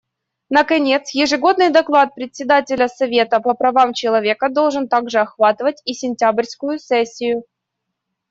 Наконец, ежегодный доклад Председателя Совета по правам человека должен также охватывать и сентябрьскую сессию.